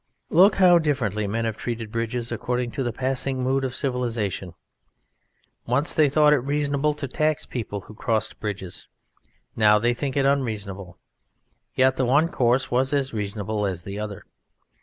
Look how differently men have treated bridges according to the passing mood of civilization. Once they thought it reasonable to tax people who crossed bridges. Now they think it unreasonable. Yet the one course was as reasonable as the other.